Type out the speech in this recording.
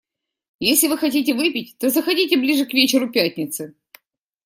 Если вы хотите выпить, то заходите ближе к вечеру пятницы.